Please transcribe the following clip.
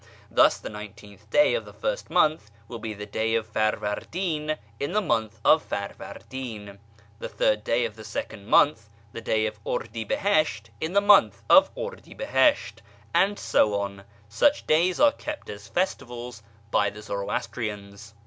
Thus the nine teenth day of the first montli will be " the day of Farvardi'n in the month of Farvardin," the third day of the second month " the day of Urdi bihisht in the month of Urdi bihisht," and so on. Such days are kept as festivals by the Zoroastrians.